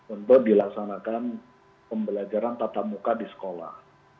untuk dilaksanakan pembelajaran tatap muka di sekolah